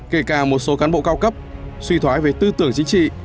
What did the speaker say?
kể cả một số cán bộ cao cấp suy thoái về tư tưởng chính trị